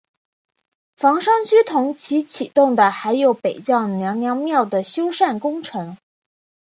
房山区同期启动的还有北窖娘娘庙修缮工程。